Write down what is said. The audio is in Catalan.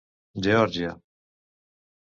Geòrgia.